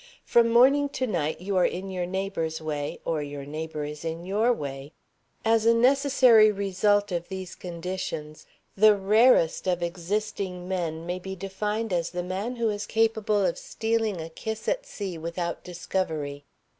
From morning to night you are in your neighbor's way, or your neighbor is in your way. As a necessary result of these conditions, the rarest of existing men may be defined as the man who is capable of stealing a kiss at sea without discovery.